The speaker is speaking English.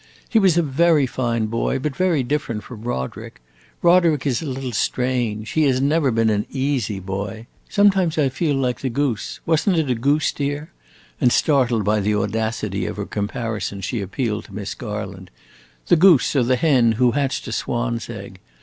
"He was a very fine boy, but very different from Roderick. Roderick is a little strange; he has never been an easy boy. Sometimes I feel like the goose was n't it a goose, dear?" and startled by the audacity of her comparison she appealed to Miss Garland "the goose, or the hen, who hatched a swan's egg.